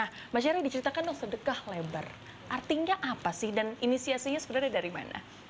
nah mas heri diceritakan dong sedekah lebar artinya apa sih dan inisiasinya sebenarnya dari mana